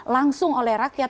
langsung oleh dprd